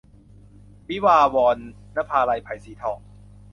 วิวาห์วอน - นภาลัย ไผ่สีทอง